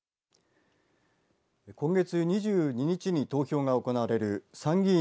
今月２２日に投票が行われる参議院